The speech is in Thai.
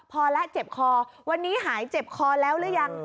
พอแล้วเจ็บคอวันนี้หายเจ็บคอแล้วหรือยัง